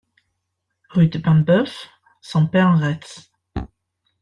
Rue de Paimboeuf, Saint-Père-en-Retz